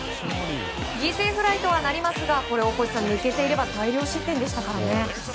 犠牲フライとはなりますが大越さん抜けていれば大量失点でしたね。